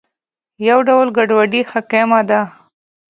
یو ډول ګډوډي حاکمه ده.